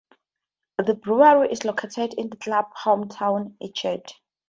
The brewery is located in the club's hometown Enschede.